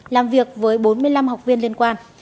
làm việc với bốn mươi năm học viên liên quan